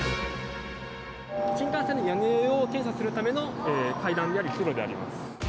新幹線の屋根上を検査するための階段であり、通路であります。